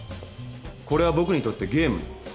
これは僕にとってゲームなんです。